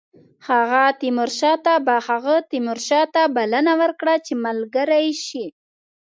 هغه تیمورشاه ته بلنه ورکړه چې ملګری شي.